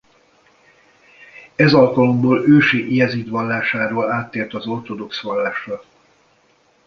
Ez alkalomból ősi jezid vallásáról áttért az ortodox vallásra.